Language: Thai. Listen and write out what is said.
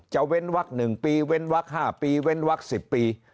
จะเว้นวักษณ์๑ปีเว้นวักษณ์๕ปีเว้นวักษณ์๑๐ปี